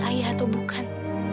ayah atau bukan